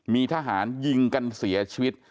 มีทหารยิงกันเสียชีวิต